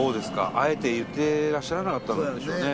あえて言ってらっしゃらなかったんでしょうね。